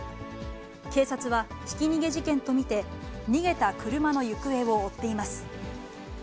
警察は、ひき逃げ事件と見て、逃げた車の行方を追っています。